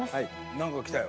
何か来たよ。